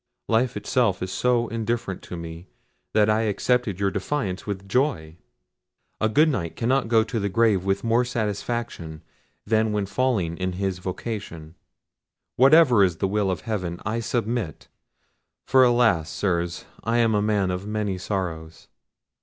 Life itself is so indifferent to me, that I accepted your defiance with joy. A good Knight cannot go to the grave with more satisfaction than when falling in his vocation: whatever is the will of heaven, I submit; for alas! Sirs, I am a man of many sorrows.